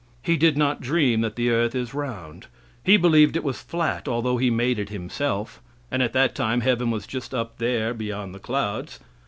He did not dream that the earth is round. He believed it was flat, although He made it Himself, and at that time heaven was just up there beyond the clouds.